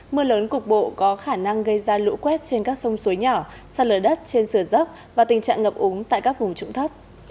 mưa lớn cục bộ có khả năng gây ra lũ quét trên các sông suối nhỏ sạt lở đất trên sườn dốc và tình trạng ngập úng tại các vùng trụng thấp